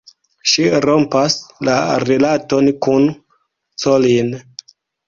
Ŝi rompas la rilaton kun Colin.